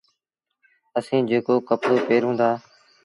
اسيٚݩ جيڪو ڪپڙو پهرون دآ